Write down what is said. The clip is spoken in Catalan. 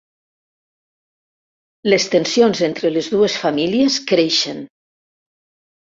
Les tensions entre les dues famílies creixen.